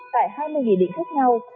tại hai mươi nghị định khác nhau